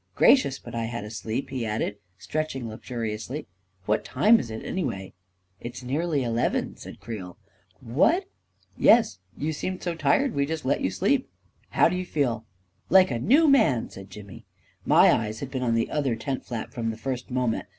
" Gracious, but I had a sleep !" he added, stretching luxuriously. 44 What time is it, anyway? " 44 It is nearly eleven," said Creel. "What!" 44 Yes — you seemed so tired, we just let you sleep. How do you feel? " 44 Like a new man !" said Jimmy. My eyes had been on the other tent flap, from the first moment.